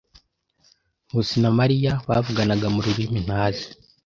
Nkusi na Mariya bavuganaga mu rurimi ntazi.